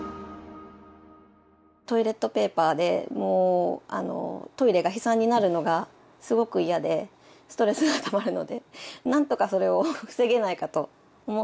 トイレットペーパーでトイレが悲惨になるのがすごく嫌でストレスがたまるのでなんとかそれを防げないかと思って。